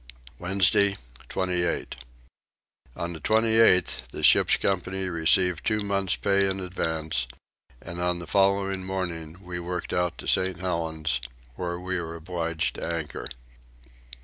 Wednesday 28. On the 28th the ship's company received two months pay in advance, and on the following morning we worked out to St. Helen's, where we were obliged to anchor.